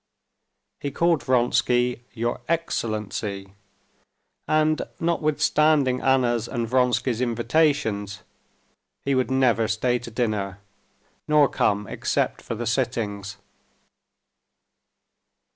He called Vronsky "your excellency," and notwithstanding Anna's and Vronsky's invitations, he would never stay to dinner, nor come except for the sittings.